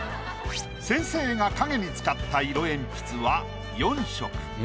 先生が影に使った色鉛筆は４色。